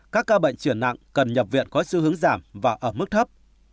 các ca bệnh chuyển nặng cần nhập viện có xu hướng giảm và ở mức thấp